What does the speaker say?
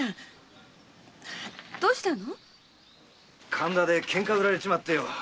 神田でケンカを売られちまってよ。